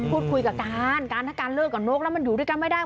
พูดคุยกับการการถ้าการเลิกกับนกแล้วมันอยู่ด้วยกันไม่ได้